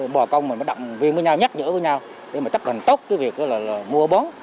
bò công đặt viên với nhau nhắc nhở với nhau để chấp hành tốt việc mua bóng